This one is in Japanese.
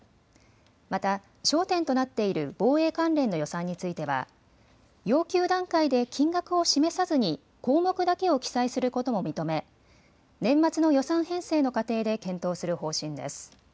また焦点となっている防衛関連の予算については要求段階で金額を示さずに項目だけを記載することも認め年末の予算編成の過程で検討する方針です。